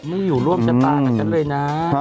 มึงอยู่ร่วมไว้มั้ยบ้างกับฉันเลยนะ